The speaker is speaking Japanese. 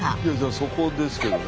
そこですけどね。